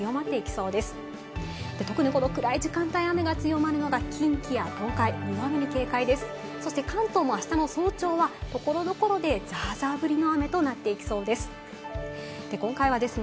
そして関東もあしたの早朝は所々でザーザー降りの雨となっていきそうです。